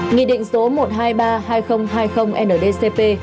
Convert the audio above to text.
nghị định số một trăm hai mươi ba hai nghìn hai mươi ndcp